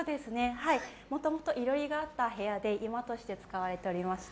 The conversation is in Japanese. もともといろりがあった部屋で居間として使われていました。